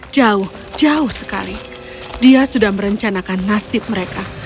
jauh jauh sekali dia sudah merencanakan nasib mereka